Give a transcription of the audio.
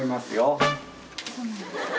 そうなんですね。